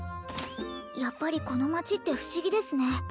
やっぱりこの町って不思議ですね